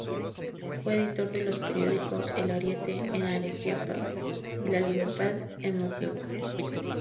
Fue editor de los periódicos "El Ariete" en Arequipa y "La Libertad" en Moquegua.